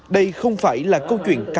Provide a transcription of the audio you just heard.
đây không phải là câu chuyện cáo